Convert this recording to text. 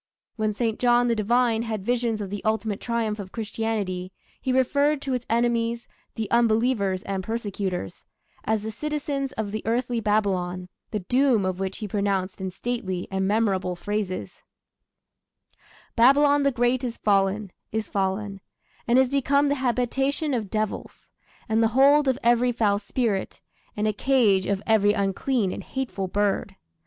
When St. John the Divine had visions of the ultimate triumph of Christianity, he referred to its enemies the unbelievers and persecutors as the citizens of the earthly Babylon, the doom of which he pronounced in stately and memorable phrases: Babylon the great is fallen, is fallen, And is become the habitation of devils, And the hold of every foul spirit, And a cage of every unclean and hateful bird....